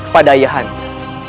pada ayah anda